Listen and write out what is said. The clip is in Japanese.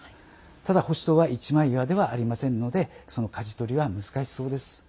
ただ、保守党は一枚岩ではありませんのでそのかじ取りは難しそうです。